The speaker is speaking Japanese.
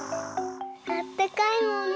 あったかいもんね。